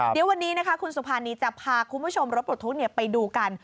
เดี๋ยววันนี้นะคะคุณสุภานีจะพาคุณผู้ชมรถปลดทุกข์ไปดูกัน